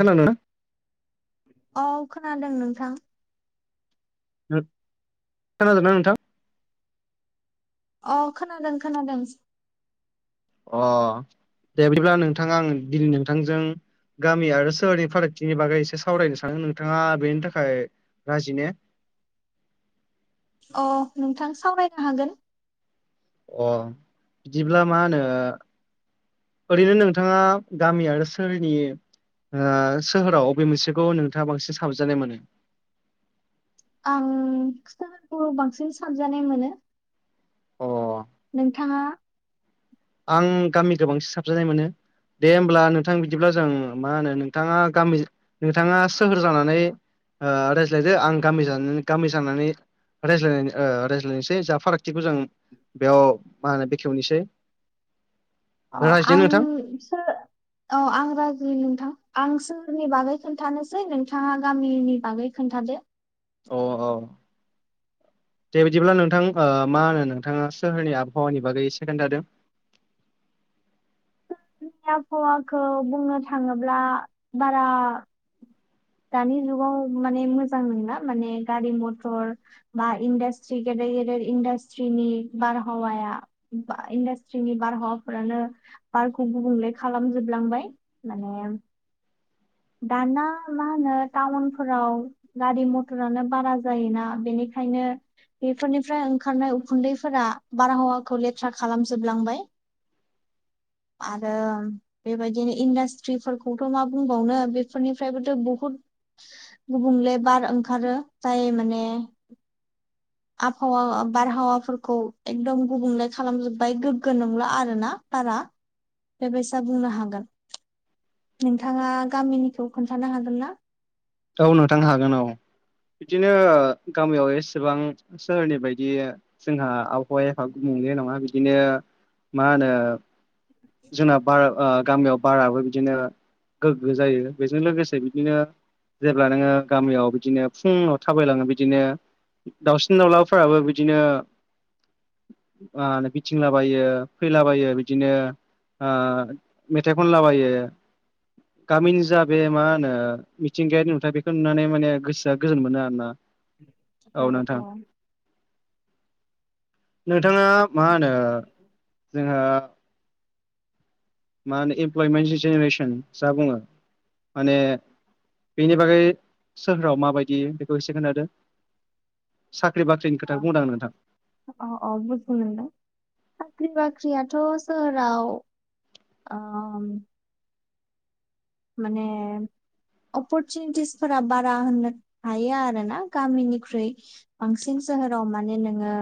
खानादों नोंथां? औ खोनादों नोंथां। खोनादोंना नोंथां? अ खोनादों खोनादों। अ दे बिदिब्ला नोंथाङा आं दिनै नोंथांजों गामि आरो सोहोरनि फारागथिनि बागै एसे सावरायनो सानो नोंथाङा बेनि थाखाय राजि ने? अ नोंथां सावरायनो हागोन। अ बिदिब्ला मा होनो ओरैनो नोंथाङा गामि आरो सोहोरनि ओ सोहोराव बबे मोनसेखौ नोंथाङा बांसिन साबजानाय मोनो? आं खिथाफोरखौ बांसिन सानजानाय मोनो अ नोंथाङा आं गामि गोबांसिन साबजानाय मोनो। दे होमब्ला नोंथां बिदिब्ला जों मा होनो नोंथाङा गामि नोंथाङा सोहोर जानानै ओ रायज्लायदो आं गामि जानानै गामि जानानै रायज्लाय रायज्लायनोसै जा फारागथिखौ जों बेयाव मा होनो बेखेवनोसै। अ रायज्लायदो आं नोंथां बिसोर औ आं राजु नोंथां आं सोहोरनि बागै खोन्थानोसै नोंथाङा गामिनि बागै खोन्थादो। अ औ दे बिदिब्ला नोंथां ओ मा होनो नोंथाङा सोहोरनि आबहावानि बागै एसे खोन्थादो। सोहोरनि आहवाखौ बुंनो थाङोब्ला बारा दानि जुगाव माने मोजां नङला माने गारि मथर बा इन्डास्ट्रि गेदेर गेदेर इन्डास्ट्रिनि बारहावाया इन्डास्ट्रिनि बारहावाफोरानो बारखौ गुबुंले खालामजोबलांबाय माने दाना मा होनो टाउनफोराव गारि मथरानो बारा जायोना बेनिखायनो बेफोरनिफ्राय ओंखारनाय उखुन्दैफोरा बारहावाखौ लेथ्रा खालामजोबलांबाय। [inaudible] आरो बेबायदिनो इन्डास्ट्रिफोरखौथ' मा बुंबावनो बेफोरनिफ्रायबोथ' बहुद गुबुंले बार ओंखारो जाय माने आबहावा बारहावाफोरखौ एकदम गुबुंले खालामजोब्बाय गोग्गो नंला आरोना बारा। बेबायसा बुंनो हागोन नोंथाङा गामिनिखौ खोन्थानो हागोन ना। औ नोंथांनो हागोन औ बिदिनो गामियाव एसेबां सोरनि बायदि जोंहा आबहावाया एफा गुबुंले नङा बिदिनो मा होनो जोंना बार ओ गामियाव बाराबो बिदिनो गोग्गो जायो बेजों लोगोसे बिदिनो जेब्ला नोङो गामियाव बिदिनो फुङाव थाबायलाङो बिदिनो दाउसिन दाउलाफोराबो बिदिनो ओ बिरथिंलाबायो फैलाबायो बिदिनो ओ मेथाइ खनलाबायो गामिनि जा बे मा होनो मिथिंगायारि नुथाय बेखौ नुनानै माने गोसोआ गोजोन मोनो आरो ना। औ औ नोंथाङा मा होनो जोंङो मा होनो इमप्लयमेन्टनि जेनेरेसन जा बुङो माने बेनि बागै सोहोराव माबायदि बेखौ एसे खोनथादो। साख्रि बाख्रिनि खोथाखौ बुंदों आं नोंथां अ औ बुजि मोनदों साख्रि बाख्रियाथ' सोहोराव अ माने अपरचुनिटिसफोरा बारा होननो हायो आरो ना गामिनिख्रुइ बांसिन सोहोराव माने नोङो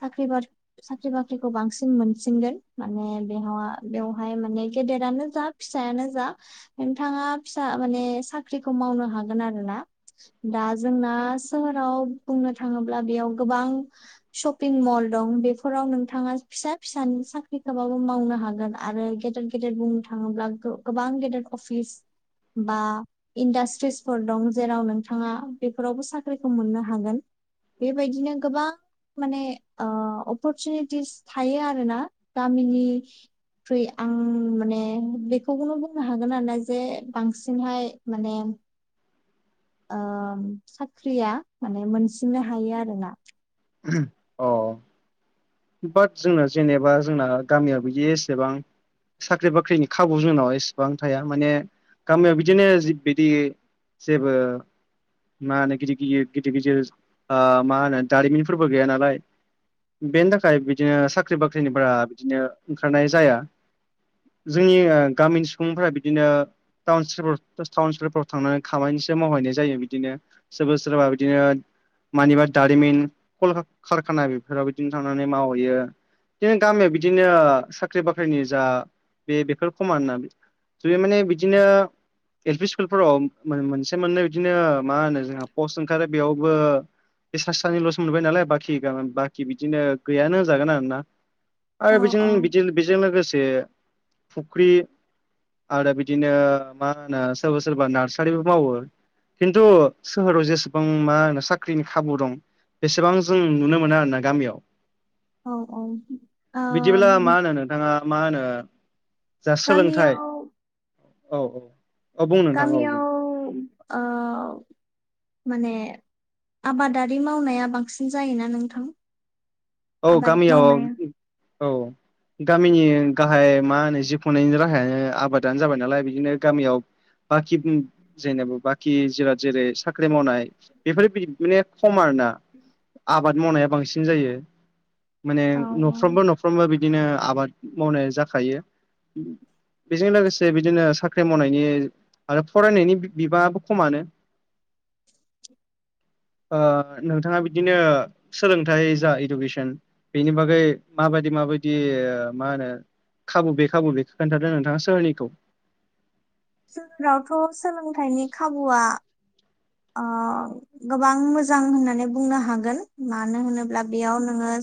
साख्रि बा साख्रि बाख्रिखौ बांसिन मोनसिनगोन माने बे नङा बेवहाय माने गेदेरानो जा फिसायानो जा नोंथाङा फिसा माने साख्रिखौ मावनो हागोन आरोना। दा जोंना सोहोराव बुंनो थाङोब्ला बेयाव गोबां शपिं मल दं बेफोराव नोंथाङा फिसा फिसानि साख्रिखौबाबो मावनो हागोन आरो गेदेर गेदेर बुंनो थाङोब्ला गोबां गेदेर अफिस बा इडास्ट्रिस फोर दं जेराव नोंथाङा बेफोरावबो साख्रिखौ मोननो हागोन बेबायदिनो गोबां माने ओ अपरसुनिटिस थायो आरो ना गामिनि ख्र‌इ आं माने बेखौनो बुंनो हा गोन आरोना जे बांसिनहाय माने ओ साख्रिया माने मोनसिननो हायो आरोना। अ बाट जोंना जेनेबा जोंना गामियाव बिदि एसेबां साख्रि बाख्रिनि खाबु जोंनाव एसेबां थाया माने गामियाव बिदिनो जिबायदि जेबो मा होनो गिदिर गिदिर गिदिर गिदिर ओ मा होनो दारिमिनफोरबो गैया नालाय बेनि थाखाय बिदिनो साख्रि बाख्रिनिफोरा बिदिनो ओंखारनाय जाया। जोंनि गामिनि सुबुंफोरा बिदिनो टाउन स्लाव टाउन स्पलफ्राव थांनानै खामानिसो मावहैनाय जायो बिदिनो सोरबा सोरबा बिदिनो मानिबा दारिमिन कारखाना बेफोराव बिदिनो थां नानै मावहैयो। बिदिनो गामियाव बिदिनो साख्रि बाख्रिनि जा बे बेफोर खमाना जुये माने बिदिनो एल पि स्कुलफोराव मोनसे मोननै बिदिनो मा होनो जोंहा पस्ट ओंखारो बेयावबो बेसा सानैल'सो मोनबाय नालाय बाखि गोन बाखि बिदिनो गैयानोजागोन आरोना औ आरो बेजों औ बिदि बेजों लोगोसे फुख्रि आरो बिदिनो मा होनो सोरबा सोरबा नार्सारिबो मावो खिन्थु सोहोराव जेसेबां मा होनो साख्रिनि खाबु दं बेसेबां जों नुनो मोनो आर ना गामियाव औ औ बिदिब्ला मा होनो नोंथाङा मा होनो जा सोलोंथाइ गामियाव औ औ बुं नोंथां औ बुं गामियाव ओ माने आबादारि मावनाया बांसिन जायोना नोंथां? औ आबाद गामियाव मावनाया औ गामिनि गाहाय मा होनो जि खुंनायनि राहायानो आबादानो जाबाय नालाय बिदिनो गामियाव बाखि जेनेबा बाखि जिराद जेरै साख्रि मावनाय बेफोरदि माने खम आरोना आबाद मावनाया बांसिन जायो। माने औ औ न'फ्रोमबो न'फ्रोमबो बिदिनो आबाद मावनाय जाखायो बेजों लोगोसे बिदिनो साख्रि मावनायनि आरो फरायनायनि बिबाङाबो खमानो [inaudible] नोंथाङा बिदिनो सोलोंथाइ जा इडुकेसन बेनि बागै माबायदि माबायदि ओ मा होनो खाबु बे खाबु बे खोन्थादो नोंथाङा सोरनिखौ जोंनावथ' सोलोंथाइनि खाबुआ आ गोबां मोजां होननानै बुंनो हागोन मानो होनोब्ला बेयाव नोङो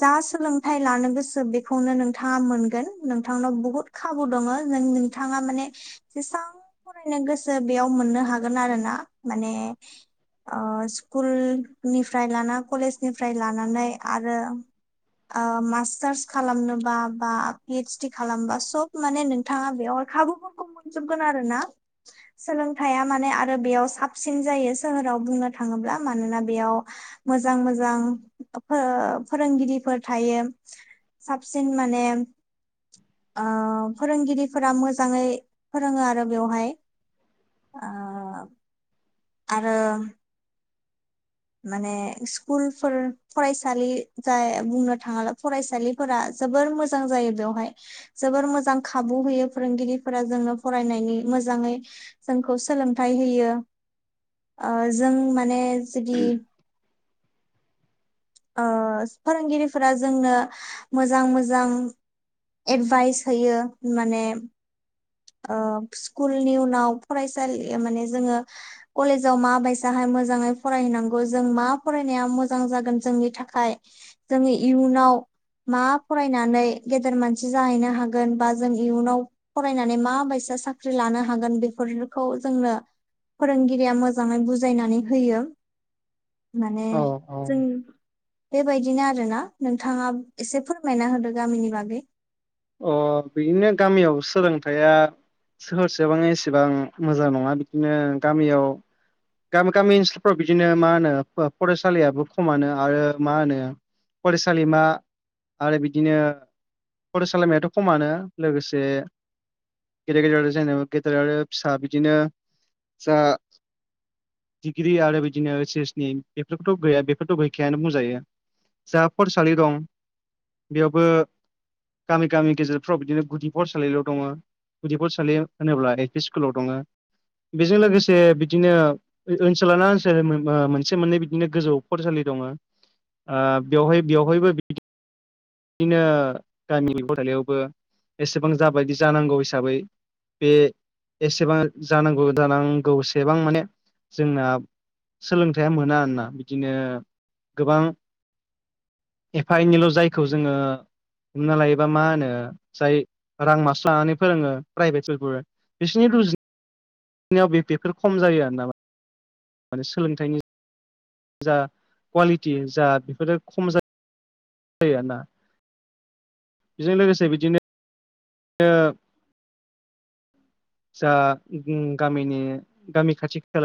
जा सोलोंथाइ लानो गोसो बेखौनो नोंथाङा मोनगोन नोंथांनाव बुहुत खाबु दङ जों नोंथाङा माने जेसेबां फरायनो गोसो बेयाव मोननो हागोन आरो ना माने स्कुलनिफ्राय लाना कलेजनिफ्राय लानानै आरो मास्टार्स खालामनोबा बा पि एइस डि खालामबा सब माने नोंथाङा बेयावर खाबु मोनजोबगोन आरोोना सोलोंथाइया माने आरो बेयाव सा साबसिन जायो सोहोराव बुंनो थाङोब्ला मानोना बेयाव मोजां मोजां फोरोंगिरिफोर थायो साबसिन माने फोरोंगिरिफोरा मोजाङै फोरोङो आरो बेवहाय अ आरो माने स्कुलफोर फरायसालि जाय बुंनो थाङा्ला फरायसालि फोर जोबोर मोजां जायो बेवहाय जोबोर मोजां खाबु होयो फोरोंगिरिफोरा जोंनो फरायनायनि मोजाङै जोंखौ सोलोंथाइ होयो जों माने जुदि फोरोंगिरिफोरा जोंनो मोजां मोजां एडभाइस होयो माने स्कुलनि उनाव फरायसालि माने जोङो कलेजाव माबायसाहाय मोजाङै फरायहैनांगौ जों मा फरायनाया मोजां जागोन जोंनि थाखाय जोंनि इयुनाव मा फरायनानै गेदेर मानसि जाहैनो हागोन बा जों इयुनाव फरानायनानै माबायदि साख्रि लानो हागोन। बेफोरखौ जोंनो फोरोंगिरिया मोजाङै बुजायनानै होयो। माने- औ औ जों बेबायदिनो आरोना नोंथाङा एसे फोरमायना होदो गामिनि बागै अ बिदिनो गामियाव सोलोंथाइया एसेबां मोजां नङा बिदिनो गामियाव गामि -गामि ओनसोलफ्राव बिदिनो मा होनो फरायसालियाबो खमानो आरो मा होनो फरायसालिमा आरो बिदिनो - फरायसालिमायाथ' खमानो लोगोसे गेदेर गेदेर आरो जेबाना गेदेर आरो फिसा बिदिनो जा- दिडिग्रि आरो बिदिनो ओइस एस नि बेफोरखौथ' गैया बेफोरथ' गैखायानो बुंजायो। जा फरायसालि दं बेयावबो गामि गामि गेजेरफ्राव बिदिनो गुदि फरायसालिल' दङ। गुदि फरायसालि होनोब्ला एल पि स्कुलाव दङ बेजों लोगोसे बिदिनो ओनसोलाना ओनसोल मोनसे मोननै बिदिनो गोजौ फरायसालि दङ। ओ बेवहाय बेवहायबो बिदि बिदिनो- गामिनि फरायलयावबो एसेबां जाबायदि जानांगौ हिसाबै बे एसेबां जानांगौ जानांगौसेबां माने जोंना- सोलोंथाइया मोना आरोना बिदिनो गोबां एफा एनैल' जायखौ जोङो हमना लायोबा मा होनो जाय रां मास्स लानानै फोरोङो प्राइभेट स्कुलफोर बिसोरनि रुजिनायनायाव बे बेफोर खम जायो आरो माने। माने सोलोंथाइनि जा कुवालिटि जा बेफोरो खम जायो। जायो आरो ना बेजों लोगोसे बिदिनो। ओ जा गामिनि गामि खाथि खालानि